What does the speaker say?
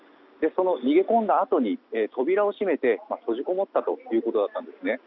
その逃げ込んだあとに扉を閉めて閉じこもったということだったんですね。